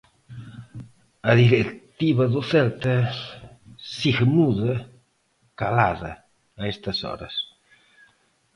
A directiva do Celta segue muda, calada a estas horas.